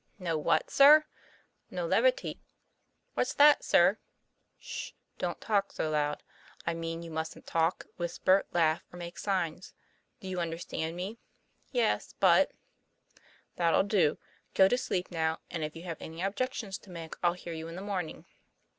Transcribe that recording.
"No what, sir?" "No levity." "What's that, sir?" TOM PLAYFAIR. 65 ;' Sh ! don't talk so loud. I mean you mustn't talk, whisper, laugh, or make signs. Do you understand me?" "Yes; but" "That'll do; go to sleep now; and if you have any objections to make I'll hear you in the morn ing."